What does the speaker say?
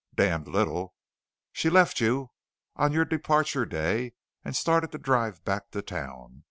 "Damned little. She left you on your departure day and started to drive back to town.